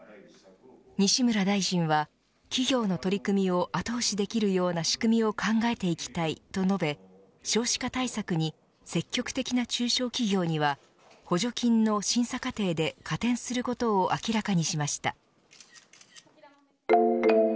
西村大臣は企業の取り組みを後押しできるような仕組みを考えていきたいと述べ少子化対策に積極的な中小企業には補助金の審査過程で加点することを明らかにしました。